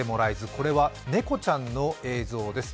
これは猫ちゃんの映像です。